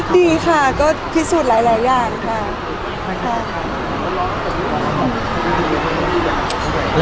ดีค่ะก็พิสูจน์หลายอย่างค่ะ